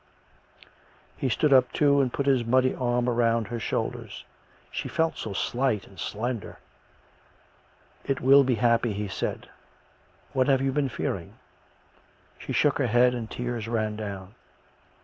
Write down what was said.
He stood up, too, and put his muddy arm about her shoulders. (She felt so slight and slender.) " It will be happy," he said. " What have you been fearing? " She shook her head and the tears ran down.